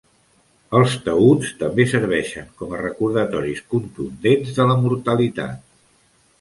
Els taüts també serveixen com a recordatoris contundents de la mortalitat.